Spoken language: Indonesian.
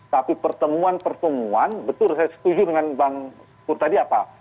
tapi pertemuan pertemuan betul saya setuju dengan bang pur tadi apa